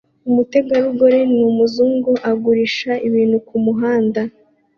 Umutegarugori ni umuzungu agurisha ibintu kumuhanda